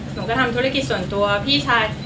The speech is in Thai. หนูก็ทำธุรกิจส่วนตัวพี่ชาย